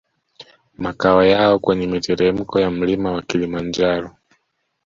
Makao yao kwenye miteremko ya mlima wa Kilimanjaro